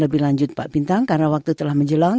lebih lanjut pak bintang karena waktu telah menjelang